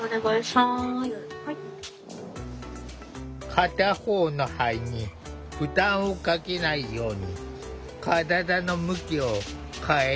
片方の肺に負担をかけないように体の向きを変える。